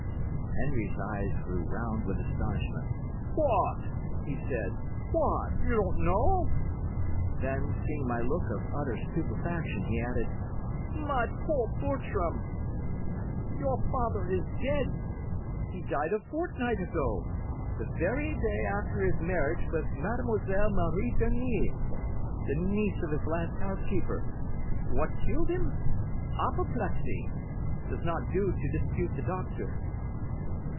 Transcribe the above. "Henry's eyes grew round with astonishment. 'What!' he said. 'What! you don't know?' Then, seeing my look of utter stupefaction, he added: 'My poor Bertram! Your father is dead! He died a fortnight ago, the very day after his marriage with Mademoiselle Marie Dernille, the niece of his last housekeeper. What killed him? Apoplexy. It does not do to dispute the doctor.